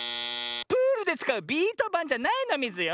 プールでつかうビートばんじゃないのミズよ。